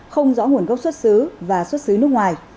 không rõ nguồn gốc xuất xứ và xuất xứ nước ngoài